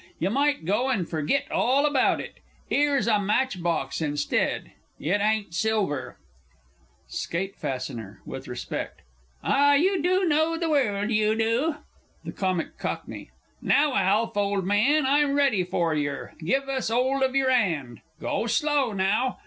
You might go and forgit all about it. 'Ere's a match box instead; it ain't silver! SKATE F. (with respect). Ah, you do know the world, you do! THE C. C. Now, Alf, old man, I'm ready for yer! Give us 'old of yer 'and.... Go slow now.